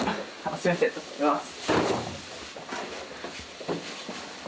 すいません取ってきます。